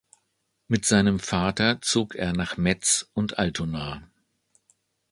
Mit seinem Vater zog er nach Metz und Altona.